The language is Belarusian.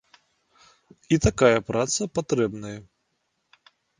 І такая праца патрэбная.